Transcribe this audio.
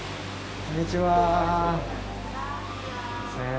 こんにちは。